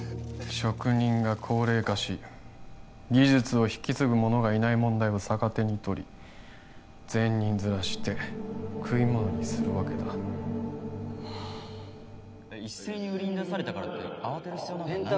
職人が高齢化し技術を引き継ぐ者がいない問題を逆手に取り善人面して食いものにするわけだ一斉に売りに出されたからって慌てる必要なんかないよ